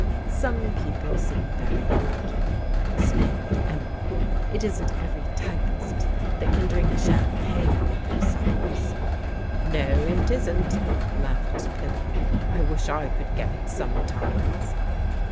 " Some people seem very lucky," sneered Emily. " It isn't every t3T)ist that can drink champagne with their suppers." " No, it isnV laughed Pillmg. " I wish I could get it sometimes."